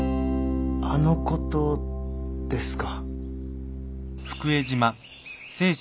「あのこと」ですか。